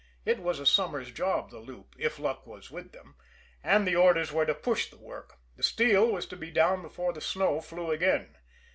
It was a summer's job, the loop if luck was with them and the orders were to push the work, the steel was to be down before the snow flew again.